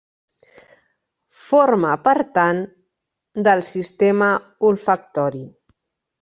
Forma, per tant, del sistema olfactori.